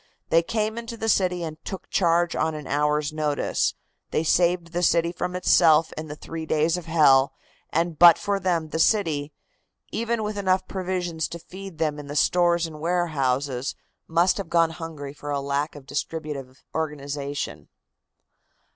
They came into the city and took charge on an hour's notice, they saved the city from itself in the three days of hell, and but for them the city, even with enough provisions to feed them in the stores and warehouses, must have gone hungry for lack of distributive organization."